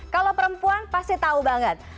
kalau perempuan pasti tahu banget